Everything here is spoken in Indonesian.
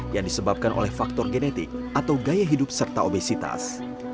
yang disebabkan oleh faktor genetik atau gaya hidup serta obesitas